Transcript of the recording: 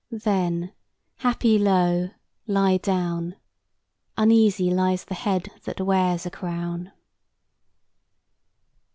Then, happy low, lie down! Uneasy lies the head that wears a crown."